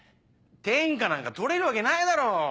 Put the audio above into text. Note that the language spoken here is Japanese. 天下なんか取れるわけないだろう。